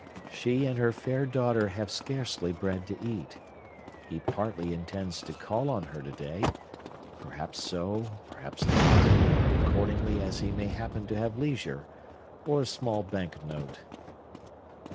She and her fair daughter have scarcely bread to eat. He partly intends to call on her to day,—perhaps so—perhaps not,—accordingly as he may happen to have leisure, and a small bank note.